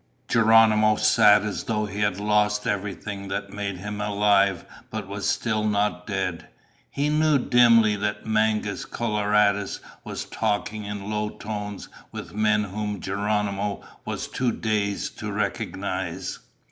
Geronimo sat as though he had lost everything that made him alive but was still not dead. He knew dimly that Mangus Coloradus was talking in low tones with men whom Geronimo was too dazed to recognize.